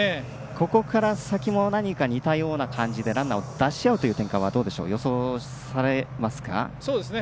ここから先も何か似たような感じでランナーを出し合うという展開は予想されますか？